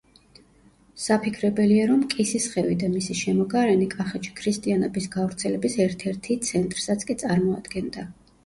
საფიქრებელია, რომ კისისხევი და მისი შემოგარენი კახეთში ქრისტიანობის გავრცელების ერთ-ერთი ცენტრსაც კი წარმოადგენდა.